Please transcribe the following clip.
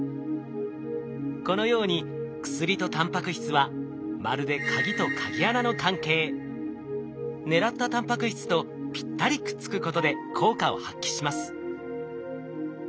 このように薬とタンパク質はまるで狙ったタンパク質とぴったりくっつくことで効果を発揮します。